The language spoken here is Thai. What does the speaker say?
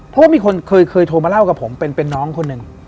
เพราะว่ามีคนเคยโทรมาเล่ากับผมเป็นน้องคนหนึ่ง